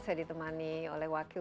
saya ditemani oleh wakil